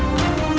aku akan menang